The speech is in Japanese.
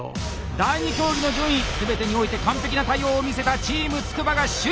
第２競技の順位全てにおいて完璧な対応を見せたチームつくばが首位！